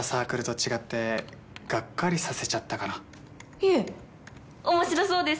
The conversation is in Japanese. いえ面白そうです！